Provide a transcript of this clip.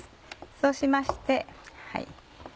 そうしまして。